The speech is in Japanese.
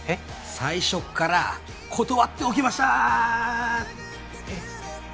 最初っから断っておきましたえっ？